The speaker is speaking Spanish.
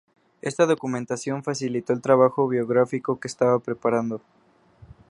Esta documentación facilitó el trabajo biográfico que estaba preparando.